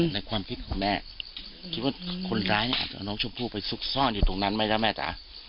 ในความคิดของแม่คิดว่าคนร้ายเนี่ยอาจจะเอาน้องชมพู่ไปซุกซ่อนอยู่ตรงนั้นไหมล่ะแม่จ๋า